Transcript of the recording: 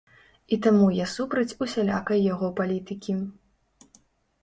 І таму я супраць усялякай яго палітыкі!